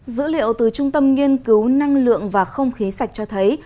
dữ liệu từ trung tâm nghiên cứu năng lượng và không khí sạch cho thấy